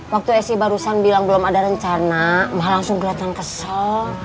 waktu si barusan bilang belum ada rencana langsung kelihatan kesel